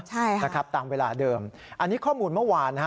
ใช่ค่ะตามเวลาเดิมอันนี้ข้อมูลเมื่อวาน